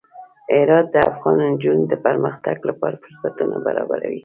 هرات د افغان نجونو د پرمختګ لپاره فرصتونه برابروي.